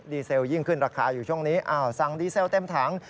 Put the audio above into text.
เซลยิ่งขึ้นราคาอยู่ช่วงนี้อ้าวสั่งดีเซลเต็มถัง